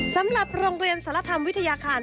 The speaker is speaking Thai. สำหรับโรงเรียนสารธรรมวิทยาคาร